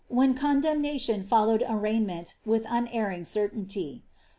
when condemnation followed arraignment with unerring certainty.